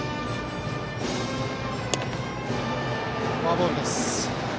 フォアボールです。